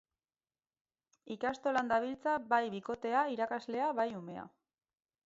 Ikastolan dabiltza bai bikotea, irakasle, bai umea.